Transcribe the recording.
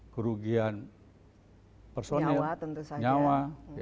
kerugian personil nyawa